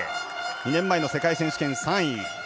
２年前の世界選手権３位。